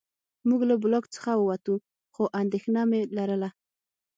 موږ له بلاک څخه ووتو خو اندېښنه مې لرله